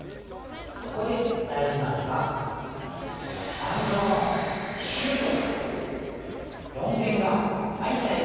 ここで大事なのが盤上のシュート！